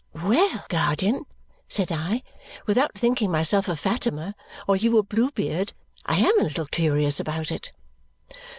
"Well, guardian," said I, "without thinking myself a Fatima or you a Blue Beard, I am a little curious about it."